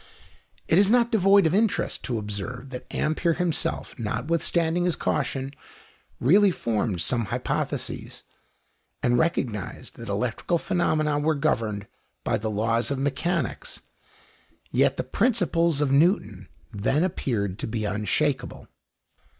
It is not devoid of interest to observe that Ampère himself, notwithstanding his caution, really formed some hypotheses, and recognized that electrical phenomena were governed by the laws of mechanics. Yet the principles of Newton then appeared to be unshakable.